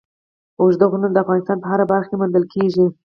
اوږده غرونه د افغانستان په هره برخه کې موندل کېږي.